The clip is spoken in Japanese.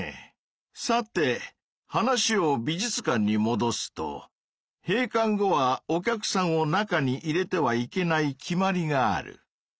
さて話を美術館にもどすと閉館後はお客さんを中に入れてはいけない決まりがある。